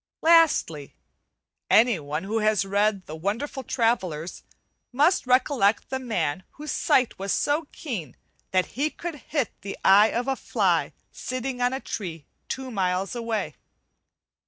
Lastly, anyone who has read the 'Wonderful Travellers' must recollect the man whose sight was so keen that he could hit the eye of a fly sitting on a tree two miles away.